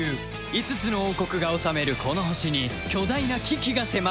５つの王国が治めるこの星に巨大な危機が迫っている